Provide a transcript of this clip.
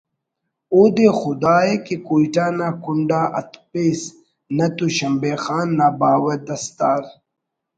اودے خداءِ کہ کوئٹہ نا کنڈ آ اتپس نہ تو شمبے خان نا باوہ دستار